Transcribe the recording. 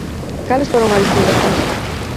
Cales foron as distintas fases?